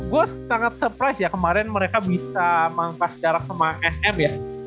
gue sangat surprise ya kemarin mereka bisa mampas jarak sama sm ya